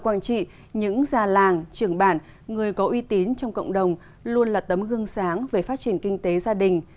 quảng trị những già làng trưởng bản người có uy tín trong cộng đồng luôn là tấm gương sáng về phát triển kinh tế gia đình